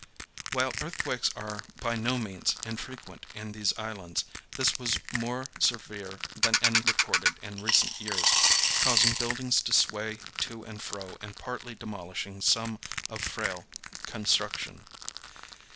While earthquakes are by no means infrequent in these islands, this was more severe than any recorded in recent years, causing buildings to sway to and fro and partly demolishing some of frail construction.